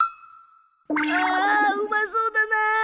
あうまそうだな。